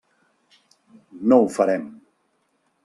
No ho farem.